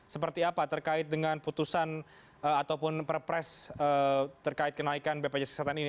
seperti apa terkait dengan putusan ataupun perpres terkait kenaikan bpjs kesehatan ini